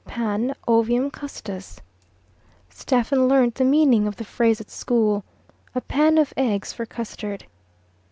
"Pan ovium custos." Stephen learnt the meaning of the phrase at school, "A pan of eggs for custard."